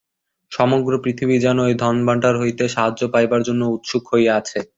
সমগ্র পৃথিবী যেন এই ধনভাণ্ডার হইতে সাহায্য পাইবার জন্য উৎসুক হইয়া আছে।